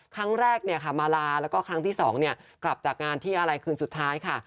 ครั้งแรกมาลาแล้วก็ครั้งที่๒กลับจากงานที่อะไรคืนสุดท้ายค่ะ